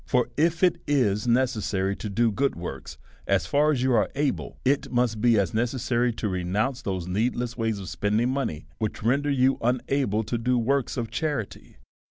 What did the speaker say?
For, if it is necessary to do good works as far as you are able, it must be as ne cessary to renounce those needless ways of spending money, which render you unable to do works of cha rity.